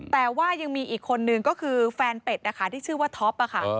แต่ว่ายังมีอีกคนนึงก็คือแฟนเป็ดนะคะที่ชื่อว่าท็อปค่ะ